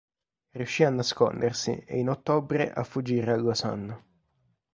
Riuscì a nascondersi e in ottobre a fuggire a Losanna.